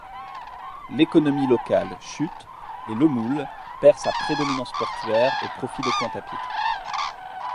L'économie locale chute et Le Moule perd sa prédominance portuaire, au profit de Pointe-à-Pitre.